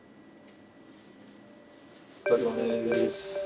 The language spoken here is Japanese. お疲れさまです。